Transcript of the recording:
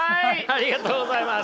ありがとうございます。